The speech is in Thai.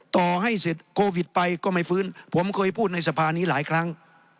ต่อให้เสร็จโควิดไปก็ไม่ฟื้นผมเคยพูดในสภานี้หลายครั้ง